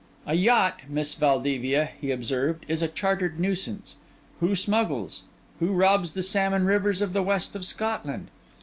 'A yacht, Miss Valdevia,' he observed, 'is a chartered nuisance. Who smuggles? Who robs the salmon rivers of the West of Scotland?